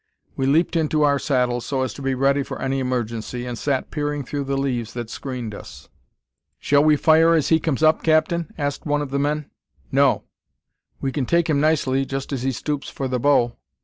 We leaped into our saddles, so as to be ready for any emergency, and sat peering through the leaves that screened us. "Shall we fire as he comes up, captain?" asked one of the men. "No." "We kin take him nicely, just as he stoops for the bow."